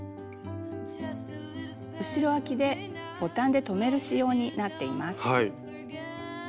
後ろあきでボタンで留める仕様になっています。